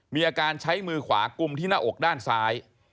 มีอาการใช้มือขวากุมที่หน้าอกด้านซ้าย